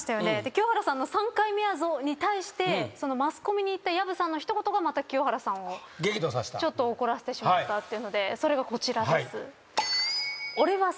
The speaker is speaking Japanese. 清原さんの「３回目やぞ」に対してマスコミに言った藪さんの一言がまた清原さんをちょっと怒らせてしまったというのでそれがこちらです。